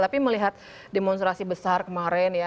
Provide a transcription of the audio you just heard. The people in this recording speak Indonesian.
tapi melihat demonstrasi besar kemarin ya